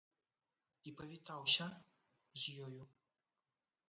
І павітаўся з ёю.